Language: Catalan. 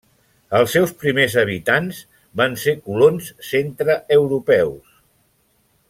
Els seus primers habitants van ser colons centreeuropeus.